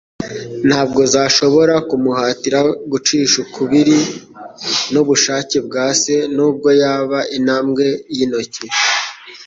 ntabwo zashobora kumuhatira gucisha ukubiri n’ubushake bwa Se nubwo yaba intambwe y’intoki.